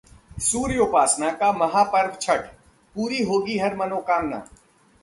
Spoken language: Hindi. सूर्योपासना का महापर्व छठ, पूरी होगी हर मनोकामना